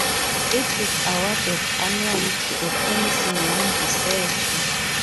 It is awarded annually to a promising young researcher.